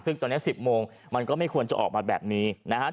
ซึ่งตอนนี้๑๐โมงมันก็ไม่ควรจะออกมาแบบนี้นะครับ